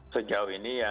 sejauh ini ya